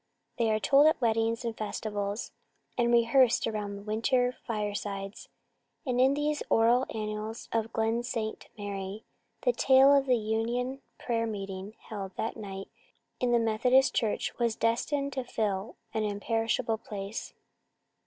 They are told at weddings and festivals, and rehearsed around winter firesides. And in these oral annals of Glen St. Mary the tale of the union prayer meeting held that night in the Methodist Church was destined to fill an imperishable place.